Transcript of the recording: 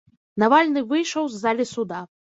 Навальны выйшаў з залі суда.